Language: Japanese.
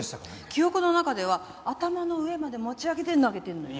記憶の中では頭の上まで持ち上げて投げてんのよ。